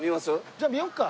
じゃあ見よっか。